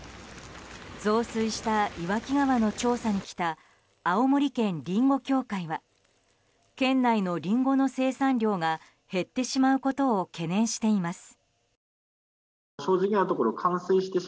増水した岩木川の調査に来た青森県りんご協会は県内のリンゴの生産量が減ってしまうことを懸念しています。